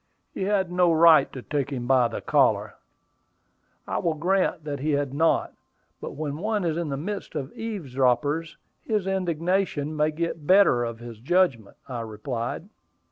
"He had no right to take him by the collar." "I will grant that he had not; but when one is in the midst of eavesdroppers, his indignation may get the better of his judgment," I replied.